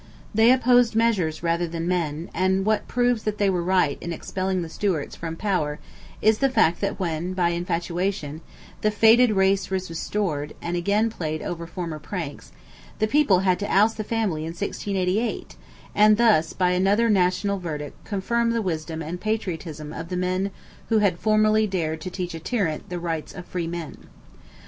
They opposed measures rather than men; and what proves that they were right in expelling the Stuarts from power is the fact that when, by infatuation, "the fated race" was restored, and again played over former pranks, the people had to oust the family in 1688, and thus by another national verdict confirm the wisdom and patriotism of the men who had formerly dared to teach a tyrant the rights of freemen.